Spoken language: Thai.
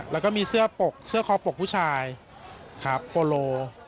แล้วก็มีเสื้อปกเสื้อคอปกผู้ชายครับโปโล